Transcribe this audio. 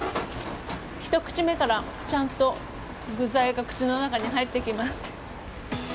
一口目から、ちゃんと具材が口の中に入ってきます。